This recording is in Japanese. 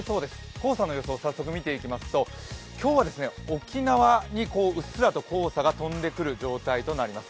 黄砂の予想を早速見ていきますと今日は沖縄にうっすらと黄砂が飛んでくる状態となります。